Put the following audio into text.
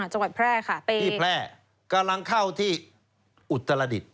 จังหวัดแพร่ค่ะที่แพร่กำลังเข้าที่อุตรดิษฐ